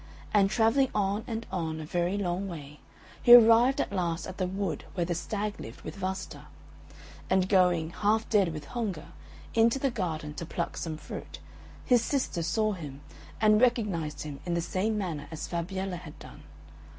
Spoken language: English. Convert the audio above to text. And travelling on and on a very long way, he arrived at last at the wood where the Stag lived with Vasta; and going, half dead with hunger, into the garden to pluck some fruit, his sister saw him, and recognised him in the same manner as Fabiella had done.